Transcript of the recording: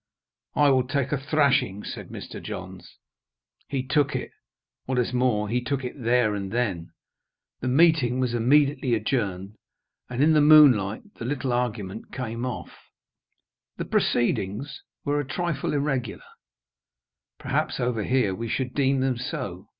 "I will take a thrashing," said Mr. Johns. He took it. What is more, he took it there and then. The meeting was immediately adjourned; and in the moonlight, the little argument came off. The proceedings were a trifle irregular; perhaps over here we should deem them so.